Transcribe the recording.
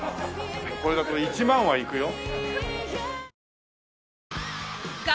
これだと１万はいくよ。